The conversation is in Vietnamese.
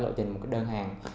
theo lộ trình một cái đơn hàng